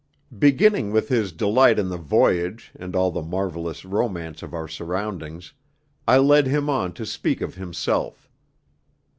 Beginning with his delight in the voyage and all the marvellous romance of our surroundings, I led him on to speak of himself.